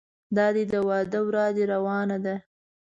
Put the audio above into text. دادی د واده ورا دې روانه ده.